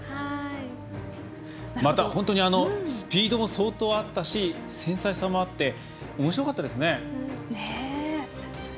スピードも相当あったし繊細さもあっておもしろかったですね。